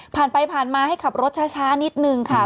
ผ่านไปผ่านมาให้ขับรถช้านิดนึงค่ะ